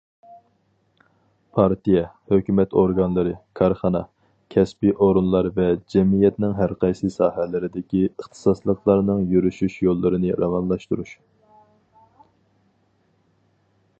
پارتىيە، ھۆكۈمەت ئورگانلىرى، كارخانا، كەسپىي ئورۇنلار ۋە جەمئىيەتنىڭ ھەرقايسى ساھەلىرىدىكى ئىختىساسلىقلارنىڭ يۈرۈشۈش يوللىرىنى راۋانلاشتۇرۇش.